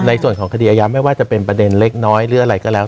ในส่วนของคดีอายาไม่ว่าจะเป็นประเด็นเล็กน้อยหรืออะไรก็แล้ว